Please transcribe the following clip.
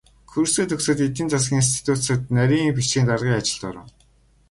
Курсээ төгсөөд эдийн засгийн институцэд нарийн бичгийн даргын ажилд оров.